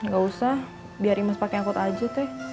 gak usah biarin mas pakai angkot aja teh